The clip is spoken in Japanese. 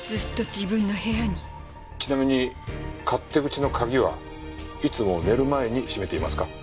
ちなみに勝手口の鍵はいつも寝る前に閉めていますか？